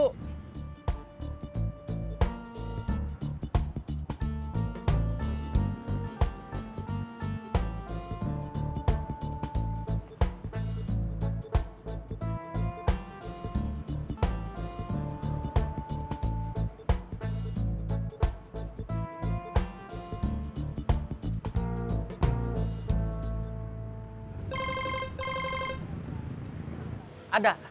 masih ada apa